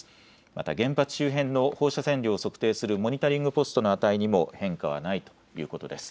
また原発周辺の放射線量を測定するモニタリングポストの値にも変化はないということです。